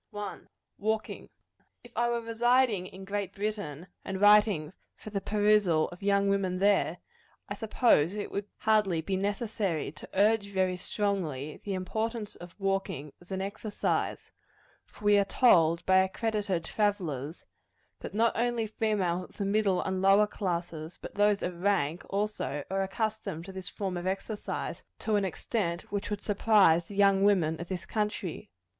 1. Walking. If I were residing in Great Britain, and writing for the perusal of young women there, I suppose it would hardly be necessary to urge very strongly the importance of walking as an exercise; for we are told by accredited travellers, that not only females of the middle and lower classes, but those of rank, also, are accustomed to this form of exercise, to an extent which would surprise the young women of this country.